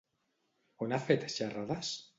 On ha fet xerrades?